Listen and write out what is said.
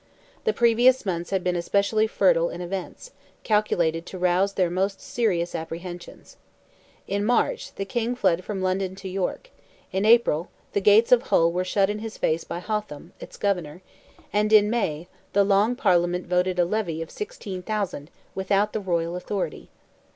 The previous months had been especially fertile in events, calculated to rouse their most serious apprehensions. In March, the King fled from London to York; in April, the gates of Hull were shut in his face by Hotham, its governor; and in May, the Long Parliament voted a levy of 16,000 without the royal authority.